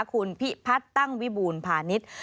คุณพี่พัทตั้งวิบูรณ์พาณิชย์